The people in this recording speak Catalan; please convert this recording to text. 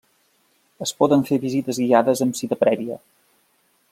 Es poden fer visites guiades amb cita prèvia.